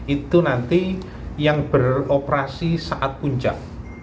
itu nanti yang beroperasi saat puncak